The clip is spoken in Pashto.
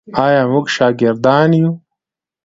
آیا موږ شاکران یو؟